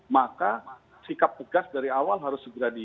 maka sikap pegas dari awal harus segera di warmingkan